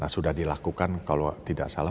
sudah dilakukan kalau tidak salah